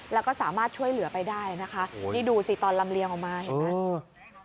แล้วก็สามารถช่วยเหลือไปได้นะคะนี่ดูสิตอนลำเลียงออกมาเห็นไหม